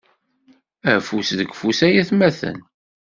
Afus deg ufus ay atmaten.